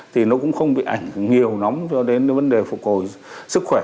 thì nó cũng không bị ảnh hưởng nhiều nóng cho đến vấn đề phục hồi sức khỏe